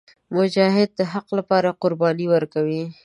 مجاهد د حق لپاره قرباني ورکوي.